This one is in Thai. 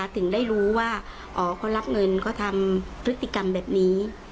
ถึงได้รู้ว่าอ๋อเขารับเงินเขาทำพฤติกรรมแบบนี้